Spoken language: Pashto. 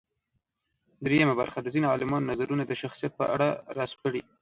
درېیمه برخه د ځينې عالمانو نظرونه د شخصیت په اړه راسپړي.